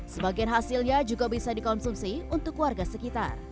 sebagian hasilnya juga bisa dikonsumsi untuk warga sekitar